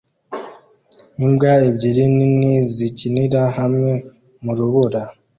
Imbwa ebyiri nini zikinira hamwe mu rubura